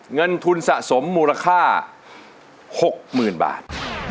เงินทุนสะสมมูลค่า๖๐๐๐บาท